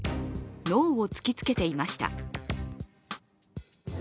ノーを突きつけていました。